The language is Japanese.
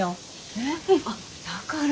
へぇあっだから。